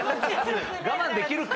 「我慢できるか！」